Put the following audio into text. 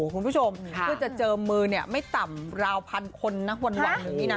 ถึงจะเจอมือไม่ต่ำราวพันคนหวานอยู่นี่นะ